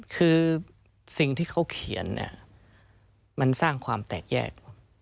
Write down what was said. คือสิ่งที่เขาเขียนเนี่ยมันสร้างความแตกแยก